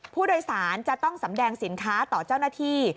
ผู้โดยสารจะต้องสำแดงสินค้าต่อเจ้าหน้าที่